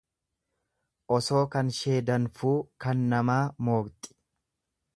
Osoo kanshee danfuu kan namaa mooqxi.